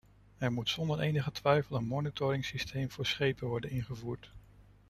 Er moet zonder enige twijfel een monitoringsysteem voor schepen worden ingevoerd.